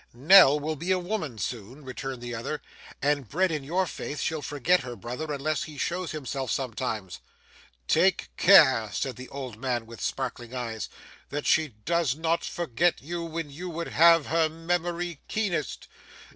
'Nell will be a woman soon,' returned the other, 'and, bred in your faith, she'll forget her brother unless he shows himself sometimes.' 'Take care,' said the old man with sparkling eyes, 'that she does not forget you when you would have her memory keenest.